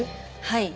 はい。